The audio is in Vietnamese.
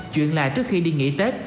chuyện là trước khi đi nghỉ tết